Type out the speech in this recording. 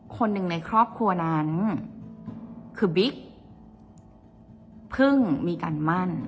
คนหนึ่งในครอบครัวนั้นคือบิ๊กเพิ่งมีการมั่น